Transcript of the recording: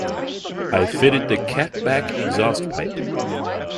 I fitted the cat back exhaust pipe.